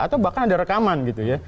atau bahkan ada rekaman gitu ya